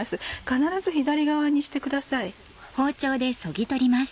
必ず左側にしてください。